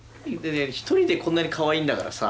１人でこんなにかわいいんだからさ